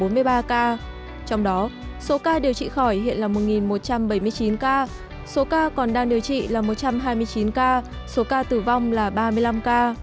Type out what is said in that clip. trong đó số ca điều trị khỏi hiện là một một trăm bảy mươi chín ca số ca còn đang điều trị là một trăm hai mươi chín ca số ca tử vong là ba mươi năm ca